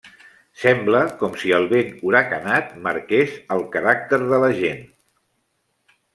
Sembla com si el vent huracanat marqués el caràcter de la gent.